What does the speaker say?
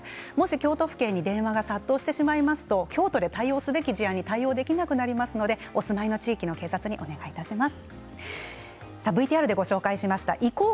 京都府警に電話が殺到してしまいますと京都で対応すべき事案に対応できなくなってしまいますのでお近くの警察にお願いします。